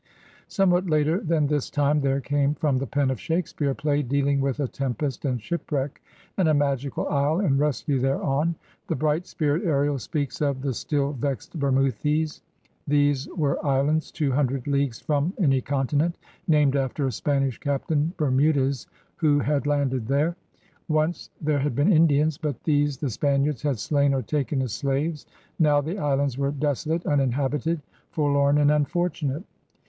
Somewhat later than this time there came from the pen of Shakespeare a play dealing with a tem pest and shipwreck and a magical isle and rescue thereon. The bright spirit Ariel speaks of "the still vex'd Bermoothes. '* These were islands " two himdred leagues from any continent, " named after a Spanish Captain Bermudez who had landed there. Once there had been Indians, but these THE SEA ADVENTURE 65 the Spaniards had slain or taken as slaves. • Now the islands were desolate, uninhabited, '^forlorn and unfortunate.''